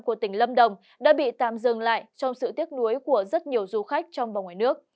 của tỉnh lâm đồng đã bị tạm dừng lại trong sự tiếc nuối của rất nhiều du khách trong và ngoài nước